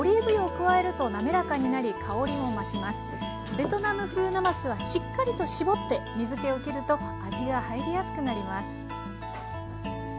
ベトナム風なますはしっかりと絞って水けをきると味が入りやすくなります。